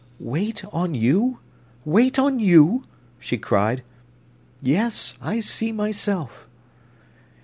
"Wait on you—wait on you?" she cried. "Yes, I see myself."